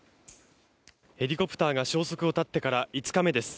ヘリコプターが消息を絶ってから５日目です。